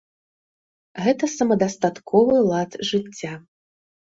Гэта самадастатковы лад жыцця.